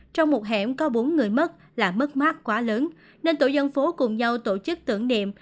trong một hẻm có bốn người mất là mất mát quá lớn nên tổ dân phố cùng nhau tổ chức tưởng niệm